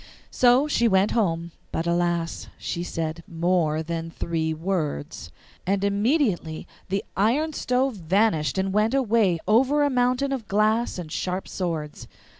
So she went home, but alas! she said MORE THAN THREE WORDS; and immediately the iron stove vanished and went away over a mountain of glass and sharp swords.